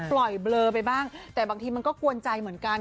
เบลอไปบ้างแต่บางทีมันก็กวนใจเหมือนกัน